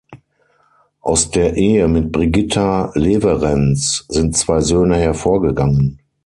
Aus der Ehe mit Brigitta Lewerenz sind zwei Söhne hervorgegangen.